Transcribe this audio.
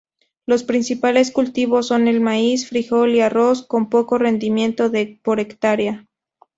Los principales cultivos son el maíz, frijol y arroz, con poco rendimiento por hectárea.